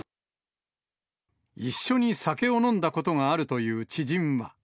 一緒に酒を飲んだことがあるという知人は。